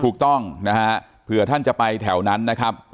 ถูกต้องนะฮะเผื่อท่านจะไปแถวนั้นนะครับ